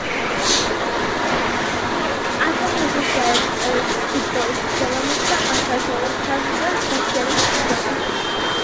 ამას, გვიანდელი წყაროს გარდა, ამ პერიოდის ამ პერიოდის ეპიგრაფიკული მასალაც ადასტურებს.